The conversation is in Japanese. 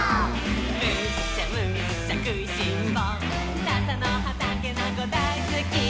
「むしゃむしゃくいしんぼうささのはたけのこだいすき」